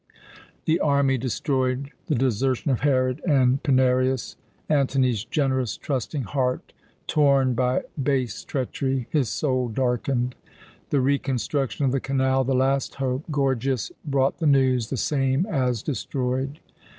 The army destroyed; the desertion of Herod and Pinarius; Antony's generous, trusting heart torn by base treachery, his soul darkened; the reconstruction of the canal, the last hope Gorgias brought the news the same as destroyed.